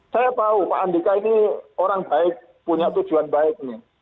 saya tahu pak andika ini orang baik punya tujuan baik nih